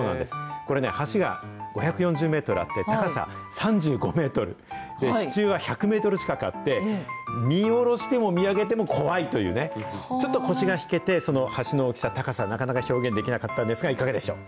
これね、橋が５４０メートルあって、高さ３５メートル、支柱は１００メートル近くあって、見下ろしても、見上げても怖いというね、ちょっと腰が引けて、橋の大きさ、高さ、なかなか表現できなかったんですが、いかがでしょう？